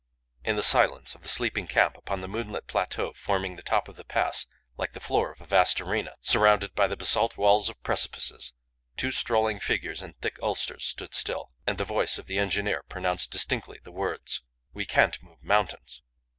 In the silence of the sleeping camp upon the moonlit plateau forming the top of the pass like the floor of a vast arena surrounded by the basalt walls of precipices, two strolling figures in thick ulsters stood still, and the voice of the engineer pronounced distinctly the words "We can't move mountains!"